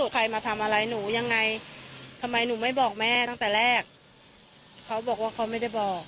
ทำไมหนูไม่บอกแม่ตั้งต่อแรกเขาบอกว่าเขาไม่ได้บอก